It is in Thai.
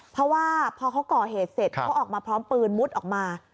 เพราะว่าพอเขาก่อเหตุเสร็จเขาออกมาพร้อมปืนมุดออกมา